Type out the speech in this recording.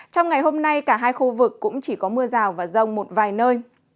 trong ngày hôm nay cả hai khu vực cũng chỉ có mưa rào và rông một vài nơi